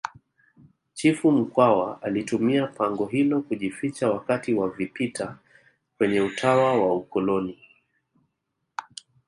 chifu mkwawa alitumia pango hilo kujificha wakati wa vipita kwenye utawa wa kikoloni